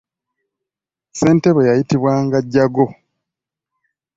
Ssentebe eyayitibwanga “Jago”.